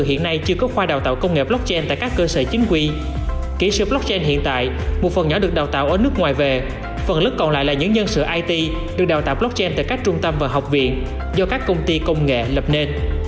hãy đăng ký kênh để ủng hộ kênh của mình nhé